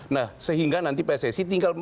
nah sehingga nanti pssi tinggal